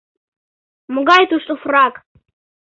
Могай тушто фрак!